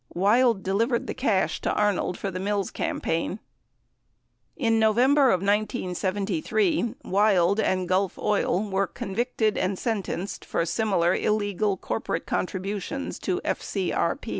Wild delivered the cash to Arnold for the Mills campaign. In November of 1973, Wild and Gulf Oil were convicted and sen tenced for similar illegal corporate contributions to FCRP.